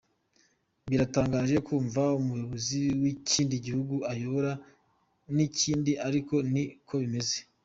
Biratangaje kumva umuyobozi w’ikindi gihugu ayobora n’ikindi ariko ni ko bimeze.